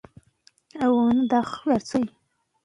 رېدی په یو جنګ کې ټپي شوی و.